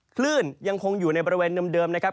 คลื่นยังคงอยู่ในบริเวณเดิมนะครับ